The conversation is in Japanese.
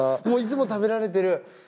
もういつも食べられてる。